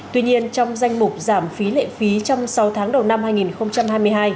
tuy nhiên trong danh mục giảm phí lệ phí trong sáu tháng đầu năm hai nghìn hai mươi hai